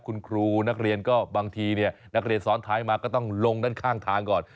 คุณครูนักเรียนก็บางทีนักเรียนซ้อนท้ายมาก็ต้องลงด้านข้างทางก่อน